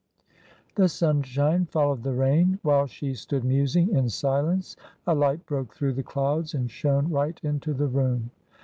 The sunshine followed the rain. While she stood musing in silence a light broke through the clouds and shone right into the room.